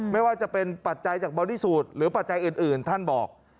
ไม่ว่าจะเป็นปัจจัยจากบอดี้สูตรหรือปัจจัยอื่นท่านบอก